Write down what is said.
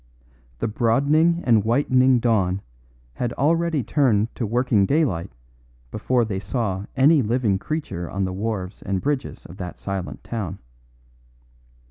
The broadening and whitening dawn had already turned to working daylight before they saw any living creature on the wharves and bridges of that silent town.